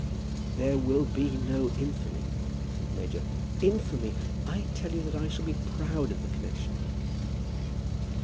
"There will be no infamy," said the major. "Infamy! I tell you that I shall be proud of the connexion."